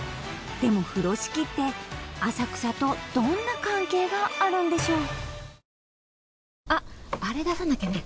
でも風呂敷って浅草とどんな関係があるんでしょう？